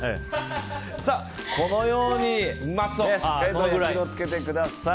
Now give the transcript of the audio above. このようにしっかりと焼き色を付けてください。